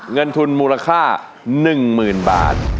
เงินทุนมูลค่าหนึ่งหมื่นบาท